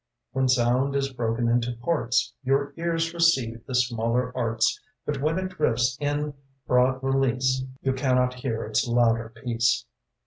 When sound is broken into parts Your ears receive the smaller arts, But when it drifts in broad release You cannot hear its louder peace.